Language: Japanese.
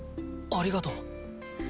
ありがとう。